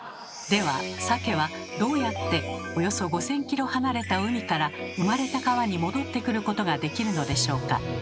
ではサケはどうやっておよそ５，０００ｋｍ離れた海から生まれた川に戻ってくることができるのでしょうか？